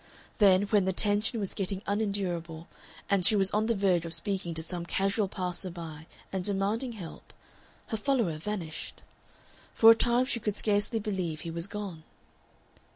Then, when the tension was getting unendurable, and she was on the verge of speaking to some casual passer by and demanding help, her follower vanished. For a time she could scarcely believe he was gone.